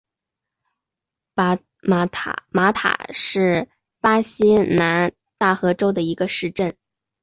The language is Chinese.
马塔是巴西南大河州的一个市镇。